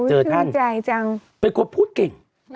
เจอท่านเป็นคนพูดเก่ง